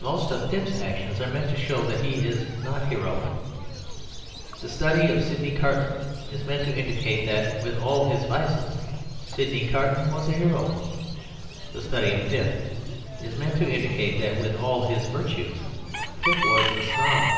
Most of Pip's actions are meant to show that he is not heroic. The study of Sydney Carton is meant to indicate that with all his vices Sydney Carton was a hero. The study of Pip is meant to indicate that with all his virtues Pip was a snob.